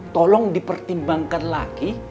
tolong dipertimbangkan lagi